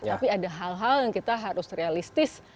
tapi ada hal hal yang kita harus realistis